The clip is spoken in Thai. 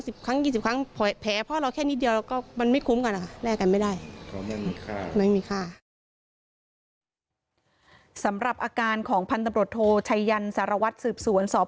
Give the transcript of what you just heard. สำหรับอาการของพันธบรดโทชัยยันสารวัตรสืบสวนสอบ